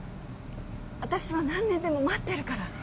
私は何年でも待ってるから